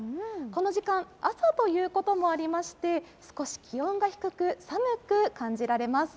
この時間、朝ということもありまして、少し気温が低く、寒く感じられます。